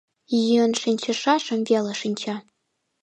Йӱын шинчышашым веле шинча.